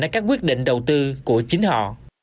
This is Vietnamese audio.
ở các quyết định đầu tư của chính họ